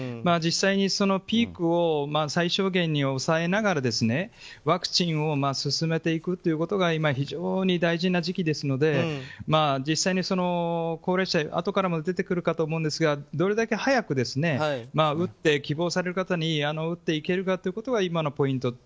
実際に、ピークを最小限に抑えながら、ワクチンを進めていくということが今、非常に大事な時期ですので実際に、高齢者あとからも出てくると思いますがどれだけ早く希望される方に打っていけるかということが今のポイント。